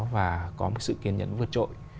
và có một sự kiên nhẫn vượt trội